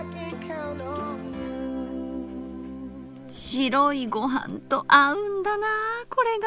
白いご飯と合うんだなあこれが。